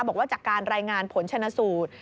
บอกว่าจากการรายงานผลชนะสูตร